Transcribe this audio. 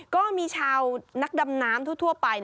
ก็มีชาวนักดำน้ำทั่วไป